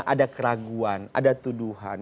ada keraguan ada tuduhan